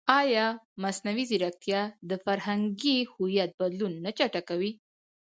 ایا مصنوعي ځیرکتیا د فرهنګي هویت بدلون نه چټکوي؟